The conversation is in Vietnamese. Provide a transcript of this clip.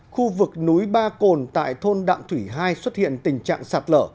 khu vực núi ba cồn tại thôn đạm thủy hai xuất hiện tình trạng sạt lở